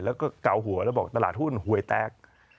แล้วก็เกาหัวแล้วบอกตลาดหุ้นหวยแตก